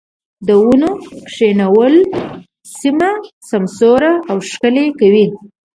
د ونو کښېنول سيمه سمسوره او ښکلې کوي.